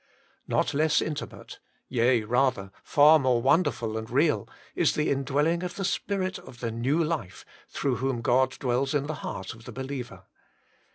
Not less intimate, yea rather, far more wonderful and real, is the indwelling of the Spirit of the New Life, through whom God dwells in the heart of the believer.